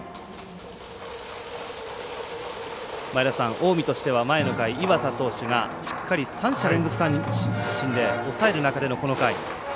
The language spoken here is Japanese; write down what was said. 近江としては前の回で岩佐投手がしっかり３者連続三振で抑えた中での、この回。